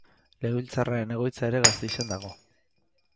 Legebiltzarraren egoitza ere Gasteizen dago.